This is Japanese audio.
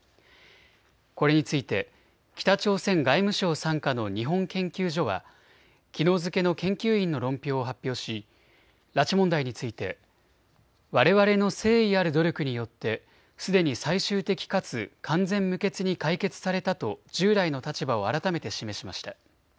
これについて北朝鮮外務省傘下の日本研究所はきのう付けの研究員の論評を発表し拉致問題についてわれわれの誠意ある努力によってすでに最終的かつ完全無欠に解決されたと従来の立場を改めて示しました。